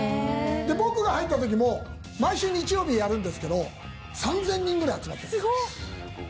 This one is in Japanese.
僕が入った時も毎週日曜日、やるんですけど３０００人くらい集まってるんです。